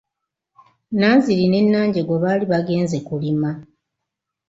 Nanziri ne Nanjjego baali bagenze kulima.